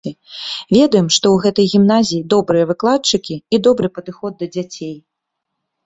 Ведаем, што ў гэтай гімназіі добрыя выкладчыкі і добры падыход да дзяцей.